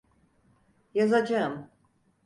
Yazacağım.